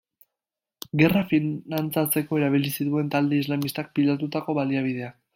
Gerra finantzatzeko erabili zituen talde islamistak pilatutako baliabideak.